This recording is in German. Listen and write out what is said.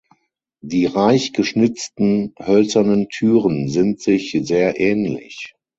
Die reich geschnitzten hölzernen Türen sind sich sehr ähnlich.